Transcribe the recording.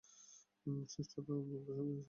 ওম, চেষ্টা তো আমরা সবাই করছি।